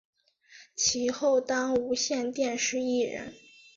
其后当无线电视艺人。